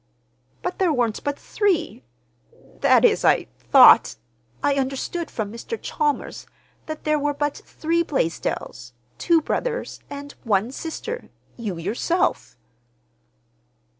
"But there weren't but three—that is, I thought—I understood from Mr. Chalmers that there were but three Blaisdells, two brothers, and one sister—you, yourself."